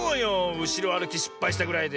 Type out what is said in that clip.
うしろあるきしっぱいしたぐらいで。